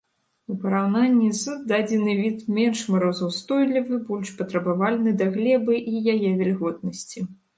У параўнанні з дадзены від менш марозаўстойлівы, больш патрабавальны да глебы і яе вільготнасці.